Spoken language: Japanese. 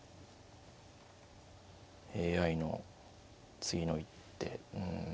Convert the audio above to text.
ＡＩの次の一手うん。